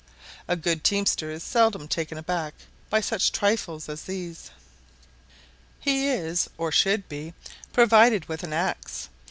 A good teamster is seldom taken aback by such trifles as these. He is, or should be, provided with an axe.